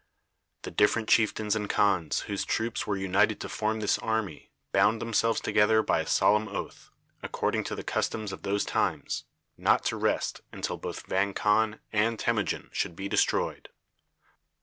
The different chieftains and khans whose troops were united to form this army bound themselves together by a solemn oath, according to the customs of those times, not to rest until both Vang Khan and Temujin should be destroyed.